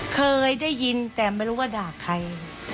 เคยได้ยินแต่ไม่รู้ว่าด่าใคร